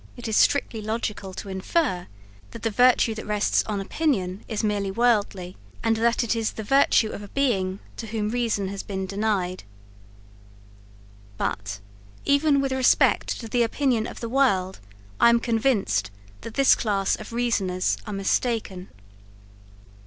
It is strictly logical to infer, that the virtue that rests on opinion is merely worldly, and that it is the virtue of a being to whom reason has been denied. But, even with respect to the opinion of the world, I am convinced, that this class of reasoners are mistaken.